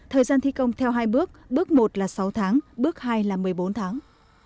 thời gian thi công theo hai bước bước một là sáu tháng bước hai là một mươi bốn tháng